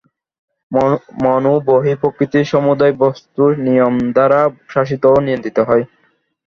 মন ও বহিঃপ্রকৃতির সমুদয় বস্তু নিয়ম দ্বারা শাসিত ও নিয়ন্ত্রিত হয়।